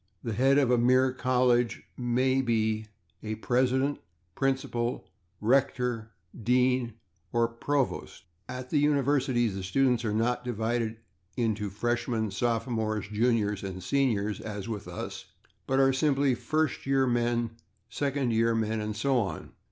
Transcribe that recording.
The head of a mere college may be a /president/, /principal/, /rector/, /dean/ or /provost/. At the universities the students are not divided into /freshmen/, /sophomores/, /juniors/ and /seniors/, as with us, but are simply /first year men/, /second year men/, and so on.